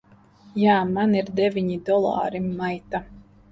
Jā. Man ir deviņi dolāri, maita!